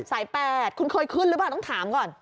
สาย๘คุณเคยขึ้นหรือเปล่าต้องถามก่อน